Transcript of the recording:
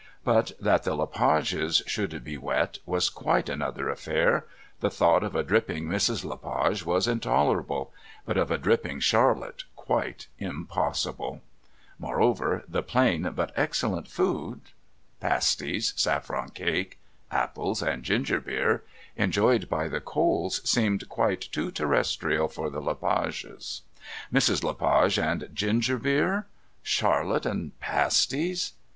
But that the Le Pages should be wet was quite another affair; the thought of a dripping Mrs. Le Page was intolerable, but of a dripping Charlotte quite impossible; moreover, the plain but excellent food pasties, saffron cake, apples and ginger beer enjoyed by the Coles seemed quite too terrestrial for the Le Pages. Mrs. Le Page and ginger beer! Charlotte and pasties!...